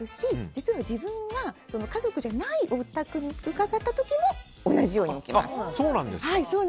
実は、自分が家族じゃないお宅に伺った時も同じように置きます。